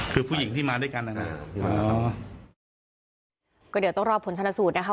คือผู้หญิงที่มาด้วยกันนะครับก็เดี๋ยวต้องรอผลชนสูตรนะคะ